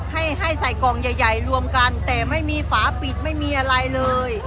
ให้ให้ใส่กล่องใหญ่ใหญ่รวมกันแต่ไม่มีฝาปิดไม่มีอะไรเลย